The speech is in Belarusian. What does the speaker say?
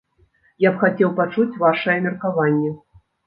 Я б хацеў пачуць вашае меркаванне.